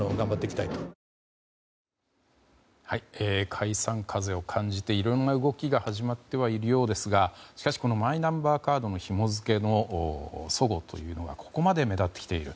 解散風を感じていろんな動きが始まってはいるようですがしかし、マイナンバーカードのひも付けの齟齬というのはここまで目立ってきている。